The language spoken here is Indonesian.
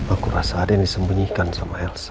aku rasa ada yang disembunyikan sama elsa